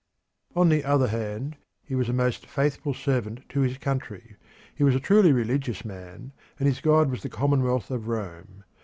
On the other hand, he was a most faithful servant to his country; he was a truly religious man, and his god was the Commonwealth of Rome.